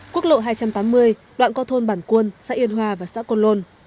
quốc lộ hai trăm tám mươi loạn co thôn bản quân xã yên hoa và xã cồn lôn